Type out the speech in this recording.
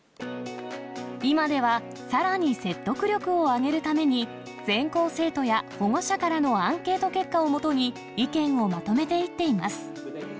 今ではさらに説得力を上げるために、全校生徒や保護者からのアンケート結果をもとに、意見をまとめていっています。